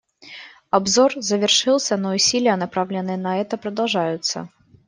Обзор завершился, но усилия, направленные на это, продолжаются.